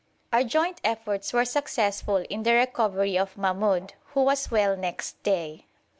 Our joint efforts were successful in the recovery of Mahmoud, who was well next day.